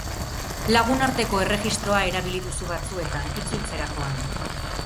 Lagunarteko erregistroa erabili duzu batzuetan, itzultzerakoan.